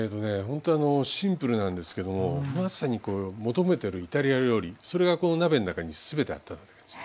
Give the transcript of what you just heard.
ほんとにあのシンプルなんですけどもまさにこう求めてるイタリア料理それがこの鍋の中に全てあったなって感じ。